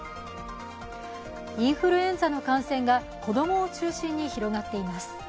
インフルエンザの感染が子供を中心に広がっています。